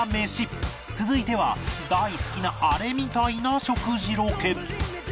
続いては大好きなあれみたいな食事ロケ